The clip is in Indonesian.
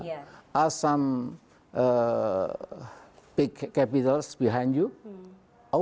ada pembayaran besar di belakang anda ya